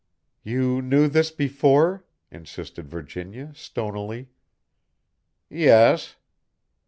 "You knew this before?" insisted Virginia, stonily. "Yes."